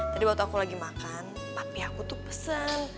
tadi waktu aku lagi makan tapi aku tuh pesen